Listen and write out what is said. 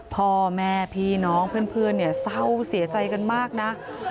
พ่อแม่พี่น้องเพื่อนเนี่ยเศร้าเสียใจกันมากนะ